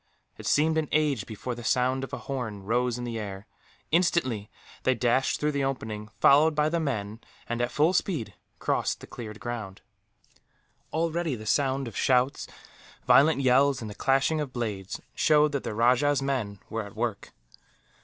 It seemed an age before the sound of a horn rose in the air. Instantly they dashed through the opening, followed by the men and, at full speed, crossed the cleared ground. Already the sound of shouts, violent yells, and the clashing of blades showed that the rajah's men were at work.